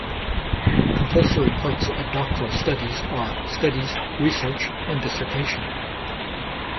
Compulsory parts of doctoral studies are studies, research and dissertation.